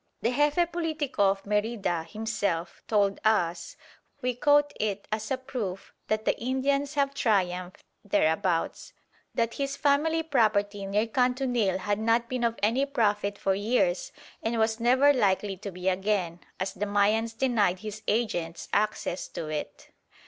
The Jefe Politico of Merida himself told us (we quote it as a proof that the Indians have triumphed thereabouts) that his family property near Kantunil had not been of any profit for years and was never likely to be again, as the Mayans denied his agents access to it.